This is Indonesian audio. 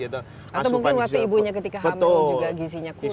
atau mungkin waktu ibunya ketika hamil juga gizinya kurang